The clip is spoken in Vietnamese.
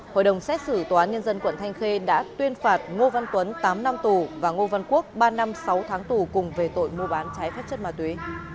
hội đồng xét xử tòa án nhân dân quận thanh khê đã tuyên phạt ngô văn tuấn tám năm tù và ngô văn quốc ba năm sáu tháng tù cùng về tội mua bán trái phép chất ma túy